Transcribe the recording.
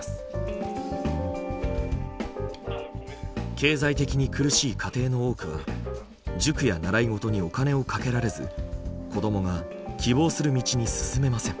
経済的に苦しい家庭の多くは塾や習い事にお金をかけられず子どもが希望する道に進めません。